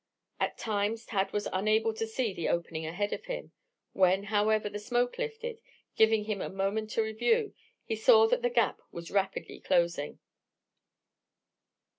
At times Tad was unable to see the opening ahead of him. When, however, the smoke lifted, giving him a momentary view, he saw that the gap was rapidly closing.